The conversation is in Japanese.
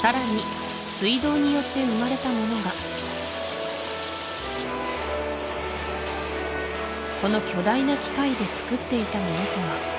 さらに水道によって生まれたものがこの巨大な機械でつくっていたものとは？